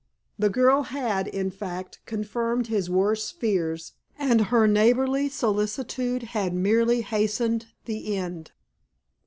The girl had, in fact, confirmed his worst fears, and her neighborly solicitude had merely hastened the end.